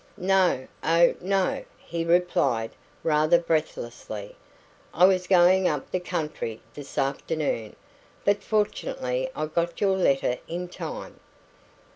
"No oh, no," he replied, rather breathlessly. "I WAS going up the country this afternoon, but fortunately I got your letter in time."